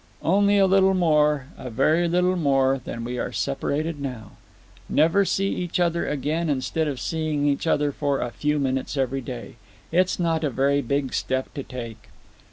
"Only a little more, a very little more, than we are separated now. Never see each other again instead of seeing each other for a few minutes every day. It's not a very big step to take."